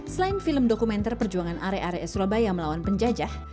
selain film dokumenter perjuangan are are surabaya melawan penjajah